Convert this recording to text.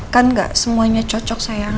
kan gak semuanya cocok sayang